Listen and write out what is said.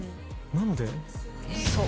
何で？